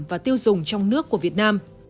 và tiêu dùng trong nước của việt nam